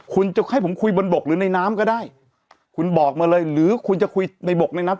คุณจะให้ผมคุยบนบกหรือในน้ำก็ได้คุณบอกมาเลยหรือคุณจะคุยในบกในนั้น